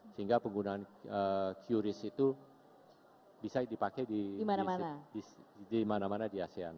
sehingga penggunaan qris itu bisa dipakai di mana mana di asean